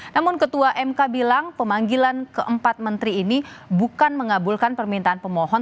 namun ketua mk bilang pemanggilan keempat menteri ini bukan mengabulkan permintaan pemohon